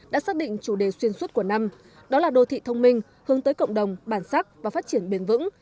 đã xác định chủ đề xuyên suốt của năm đó là đô thị thông minh hướng tới cộng đồng bản sắc và phát triển bền vững